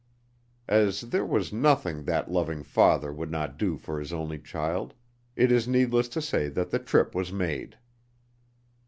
As there was nothing that loving father would not do for his only child, it is needless to say that the trip was made.